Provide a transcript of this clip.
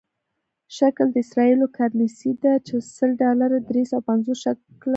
شکل د اسرائیلو کرنسي ده چې سل ډالره درې سوه پنځوس شکله کېږي.